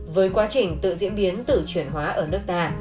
với quá trình tự diễn biến tự chuyển hóa ở nước ta